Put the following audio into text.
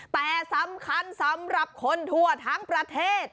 แต่สำคัญสำหรับคนทั่วทั้งประเทศ